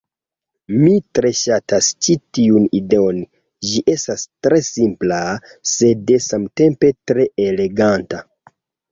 Mi tre ŝatas ĉi tiun ideon ĝi estas tre simpla... sed samtempe tre eleganta.